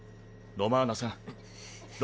ロマーナさん！